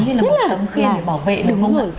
giống như là một tâm khuyên để bảo vệ đúng không ạ